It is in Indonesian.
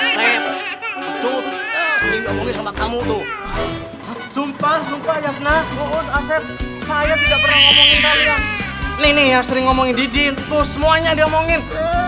saya tidak pernah ngomongin ini ya sering ngomongin di din tuh semuanya diomongin